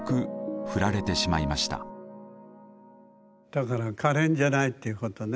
だから可憐じゃないっていうことね。